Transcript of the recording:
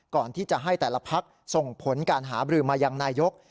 ก่อนที่จะให้แต่ละพักส่งผลการหาบรือมายังนายก